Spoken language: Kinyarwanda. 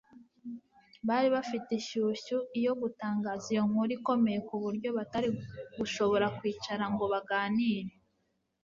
Bari bafite ishyushyu iyo gutangaza iyo nkuru ikomeye ku buryo batari gushobora kwicara ngo baganire.